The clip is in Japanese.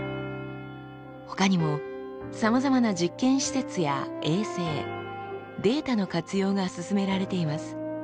ほかにもさまざまな実験施設や衛星データの活用が進められています。